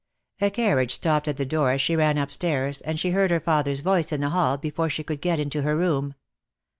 A carriage stopped at the door as she ran up stairs, and she heard her father's voice in the hall before she could get into her room.